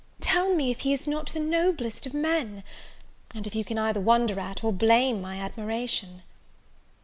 tell me if he is not the noblest of men? and if you can either wonder at, or blame my admiration?